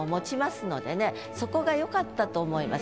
そこがよかったと思います。